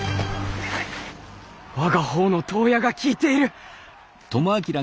我が方の遠矢が効いている！